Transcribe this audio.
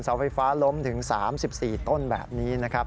เสาไฟฟ้าล้มถึง๓๔ต้นแบบนี้นะครับ